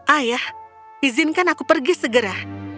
ayah izinkan aku pergi segera